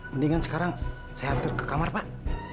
mendingan sekarang saya hampir ke kamar pak